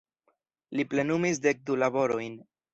Li plenumis dekdu laborojn.